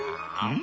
ん？